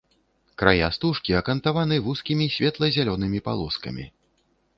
Края стужкі акантаваны вузкімі светла-зялёнымі палоскамі.